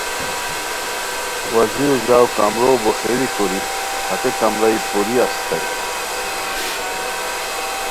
وزیرو ژاؤ کمرو بو ݰیلی کوری ہتے کمرائی پوری استائے